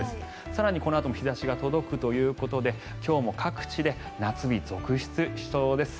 更にこのあとも日差しが届くということで今日も各地で夏日続出しそうです。